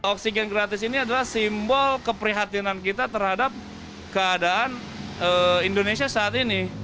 oksigen gratis ini adalah simbol keprihatinan kita terhadap keadaan indonesia saat ini